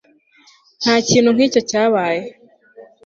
ntakintu nkicyo cyabaye